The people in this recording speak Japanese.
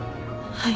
はい